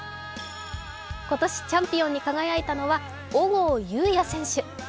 今年チャンピオンに輝いたのは小郷裕哉選手。